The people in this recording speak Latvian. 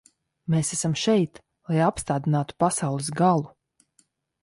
Mēs esam šeit, lai apstādinātu pasaules galu.